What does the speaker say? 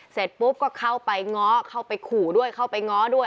เสร็จปุ๊บก็เข้าไปง้อเข้าไปขู่ด้วยเข้าไปง้อด้วย